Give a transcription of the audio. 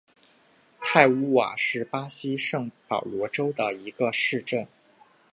泰乌瓦是巴西圣保罗州的一个市镇。